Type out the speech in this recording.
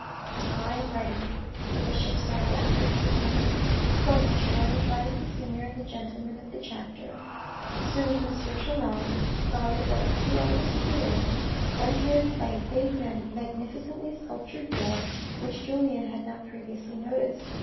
" I am ready," the bishop said after a few moments. " Go, Monsieur, and advise the senior and the gentlemen of the chapter." Soon M. Chelan, followed by the two oldest cures, entered by a big magnificently sculptured door, which Julien had not previously noticed.